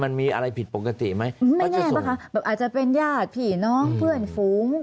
มันมีอะไรผิดปกติไหมนะคะแบบอาจจะเป็นญาติพี่น้องเพื่อนฝูง